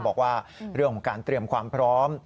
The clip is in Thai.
บอกว่าเรื่องของการเตรียมความพร้อม